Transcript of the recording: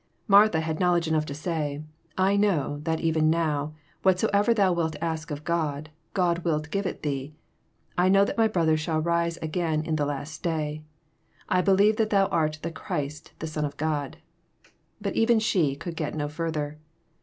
— Martha had knowledge enough to say, I know, that even now, whatsoever Thou wilt ask of God, God wilt give it Thee, — I know that my brother shall rise again at the last day, — I believe that Thou art the Christ, the Son of God." — But even she could get no further.